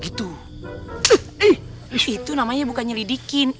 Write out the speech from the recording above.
itu namanya bukan nyelidikin